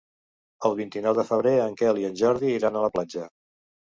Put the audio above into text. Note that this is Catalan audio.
El vint-i-nou de febrer en Quel i en Jordi iran a la platja.